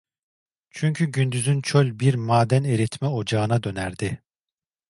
Çünkü gündüzün çöl bir maden eritme ocağına dönerdi.